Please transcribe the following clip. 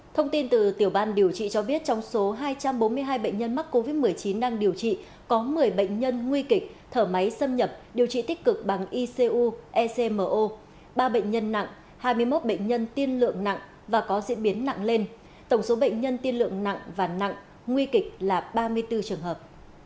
thông tin từ tiểu ban điều trị cho biết trong số hai trăm bốn mươi hai bệnh nhân mắc covid một mươi chín đang điều trị có một mươi bệnh nhân nguy kịch thở máy xâm nhập điều trị tích cực bằng icu ecmo ba bệnh nhân nặng hai mươi một bệnh nhân tiên lượng nặng và có diễn biến nặng lên tổng số bệnh nhân tiên lượng nặng và nặng nguy kịch là ba mươi bốn trường hợp